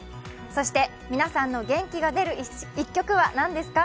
そして皆さんの元気が出る一曲は何ですか？